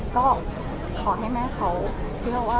ก็ขอให้แม่เขาเชื่อว่า